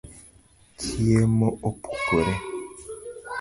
Chiemo opukore